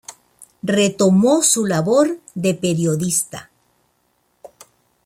Retomó su labor de periodista.